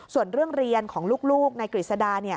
ส่วนเรื่องเรียนของลูกนายกฤษดา